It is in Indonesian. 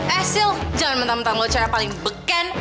eh sil jangan mentang mentang lo caranya paling beken